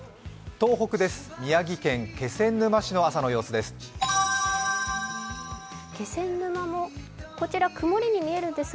東北です、宮城県気仙沼市の朝の様子です。